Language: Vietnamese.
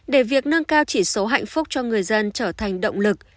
để việc nâng cao chỉ số hạnh phúc cho người dân trở thành động lực